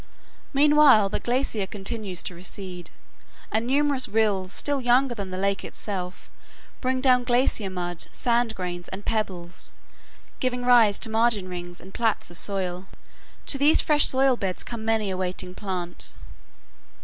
Meanwhile, the glacier continues to recede, and numerous rills, still younger than the lake itself, bring down glacier mud, sand grains, and pebbles, giving rise to margin rings and plats of soil. To these fresh soil beds come many a waiting plant.